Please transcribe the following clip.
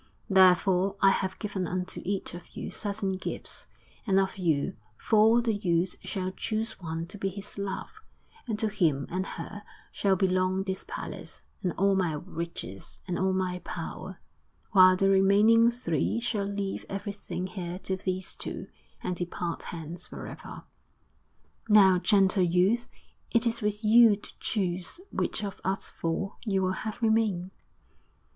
Therefore, I have given unto each of you certain gifts, and of you four the youth shall choose one to be his love; and to him and her shall belong this palace, and all my riches, and all my power; while the remaining three shall leave everything here to these two, and depart hence for ever." 'Now, gentle youth, it is with you to choose which of us four you will have remain.'